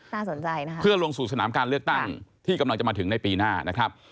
น่าสนใจนะคะเพื่อลงสู่สนามการเลือกตั้งที่กำลังจะมาถึงในปีหน้านะครับ